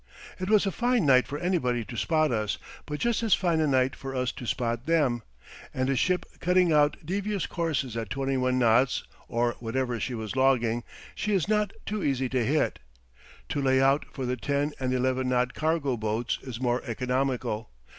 It was a fine night for anybody to spot us, but just as fine a night for us to spot them. And a ship cutting out devious courses at twenty one knots, or whatever she was logging she is not too easy to hit. To lay out for the ten and eleven knot cargo boats is more economical.